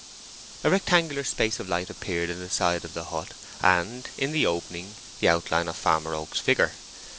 A rectangular space of light appeared in the side of the hut, and in the opening the outline of Farmer Oak's figure.